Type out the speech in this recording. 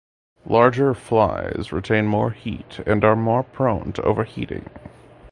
Larger flies retain more heat and are more prone to overheating.